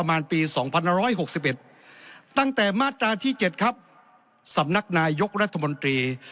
มาตราที่๓๔